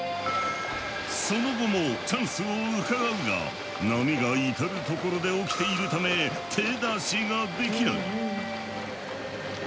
その後もチャンスをうかがうが波が至る所で起きているため手出しができない。